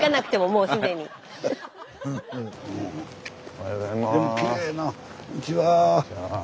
おはようございます。